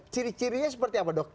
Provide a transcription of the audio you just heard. ciri cirinya seperti apa dok